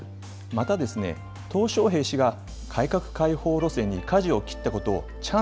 またですね、とう小平氏が改革開放路線にかじを切ったことをチャ